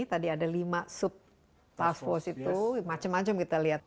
tadi ada lima sub task force itu macam macam kita lihat